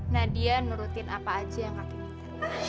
nadia menurut apa saja yang kakek minta